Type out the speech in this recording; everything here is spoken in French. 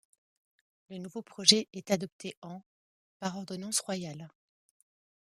Le nouveau projet est adopté en par ordonnance royale.